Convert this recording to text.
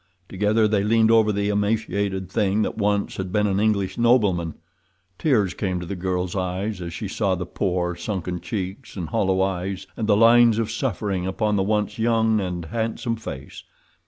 Together they leaned over the emaciated thing that once had been an English nobleman. Tears came to the girl's eyes as she saw the poor, sunken cheeks and hollow eyes, and the lines of suffering upon the once young and handsome face.